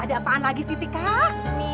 ada apaan lagi siti kak